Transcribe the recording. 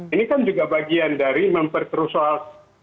ini kan juga bagian dari memperkeruh soal